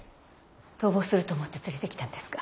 逃亡すると思って連れてきたんですか？